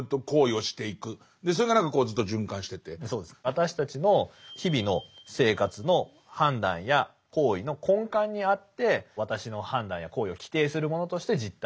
私たちの日々の生活の判断や行為の根幹にあって私の判断や行為を規定するものとして「実体」というふうに呼んでる。